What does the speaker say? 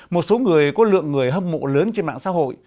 một số người có lượng người hâm mộ lớn trên mạng xã hội